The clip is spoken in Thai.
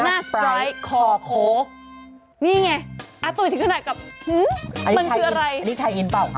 หน้าสไปร์ขอโคนี่ไงอาตุ๋ยถึงขนาดกับมันคืออะไรนี่ทายอินนี่ทายอินเปล่า